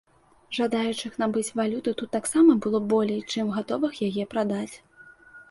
Жадаючых набыць валюту тут таксама было болей, чым гатовых яе прадаць.